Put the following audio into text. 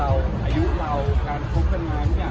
ให้ผู้หญิงมาให้งาน